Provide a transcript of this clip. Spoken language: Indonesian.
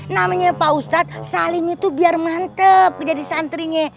namanya pak ustadz salim itu biar mantep jadi santrinya